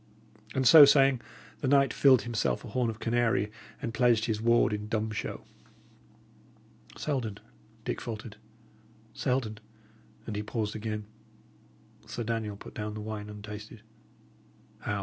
And so saying, the knight filled himself a horn of canary, and pledged his ward in dumb show. "Selden," Dick faltered "Selden" And he paused again. Sir Daniel put down the wine untasted. "How!"